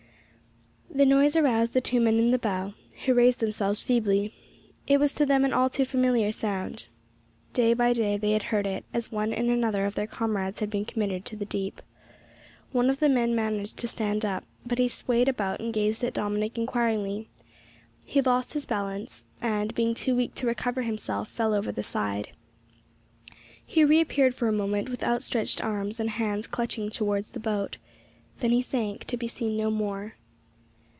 The noise aroused the two men in the bow, who raised themselves feebly. It was to them an all too familiar sound. Day by day they had heard it, as one and another of their comrades had been committed to the deep. One of the men managed to stand up, but as he swayed about and gazed at Dominick inquiringly, he lost his balance, and, being too weak to recover himself, fell over the side. He reappeared for a moment with outstretched arms and hands clutching towards the boat. Then he sank, to be seen no more.